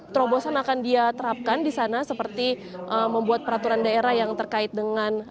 terobosan akan dia terapkan di sana seperti membuat peraturan daerah yang terkait dengan